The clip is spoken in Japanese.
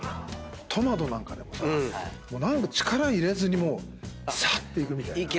トマトなんかでもさ力入れずにもうサッていくみたいな。